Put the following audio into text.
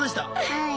はい。